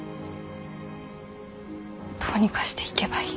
どうにかして行けばいい。